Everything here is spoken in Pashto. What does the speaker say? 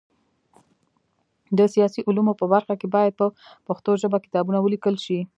د سیاسي علومو په برخه کي باید په پښتو ژبه کتابونه ولیکل سي.